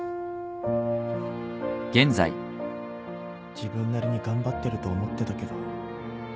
自分なりに頑張ってると思ってたけど